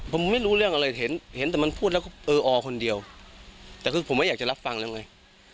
ผมไม่รู้เรื่องอะไรเห็นเห็นแต่มันพูดแล้วก็เอออคนเดียวแต่คือผมไม่อยากจะรับฟังแล้วไง